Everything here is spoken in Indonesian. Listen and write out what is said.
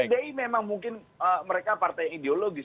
sbi memang mungkin mereka partai ideologis